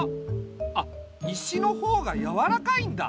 あ石の方がやわらかいんだ。